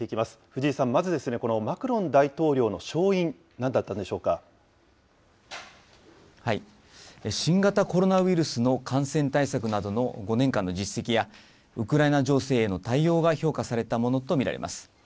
藤井さん、まず、このマクロン大統領の勝因、なんだったんでしょ新型コロナウイルスの感染対策などの５年間の実績や、ウクライナ情勢への対応が評価されたものと見られます。